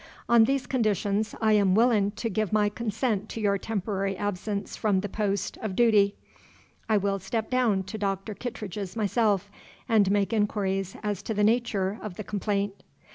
On these conditions I am willin' to give my consent to your temporary absence from the post of dooty. I will step down to Doctor Kittredge's myself, and make inquiries as to the natur' of the complaint." Mr.